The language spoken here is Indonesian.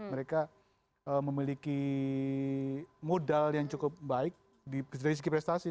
mereka memiliki modal yang cukup baik dari segi prestasi